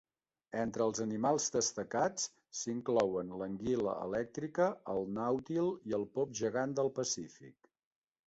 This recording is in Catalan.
Entre els animals destacats s'inclouen l'anguila elèctrica, el nàutil i el pop gegant del Pacífic.